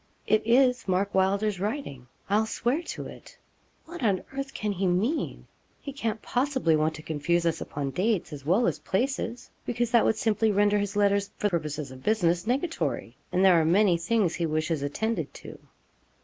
'It is Mark Wylder's writing I'll swear to it. What on earth can he mean? He can't possibly want to confuse us upon dates, as well as places, because that would simply render his letters, for purposes of business, nugatory, and there are many things he wishes attended to.'